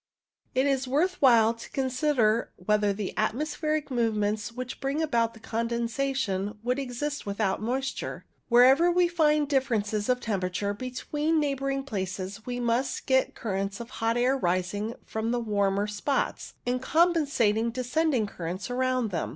It is worth while to consider whether the atmospheric movements which bring about the condensation could exist without moisture. Wherever we find differences of tem perature between neighbouring places we must get ii6 CUMULO NIMBUS currents of hot air rising from the warmer spots, and compensating descending currents around them.